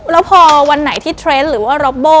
แล้วพอวันไหนที่เทรนด์หรือว่าร็ปโบ